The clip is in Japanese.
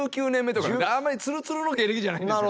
あんまりツルツルの芸歴じゃないんですよ。